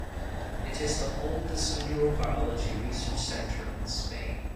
It is the oldest neurobiology research center in Spain.